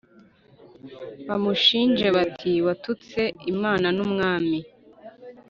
bamushinje bati ‘Watutse Imana n’umwami’